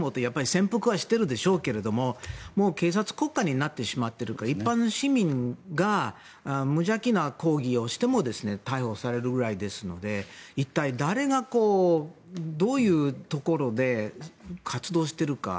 潜伏はしているでしょうけども警察国家になってしまっているから一般の市民が無邪気な抗議をしても逮捕されるくらいですので一体、誰がどういうところで活動しているか。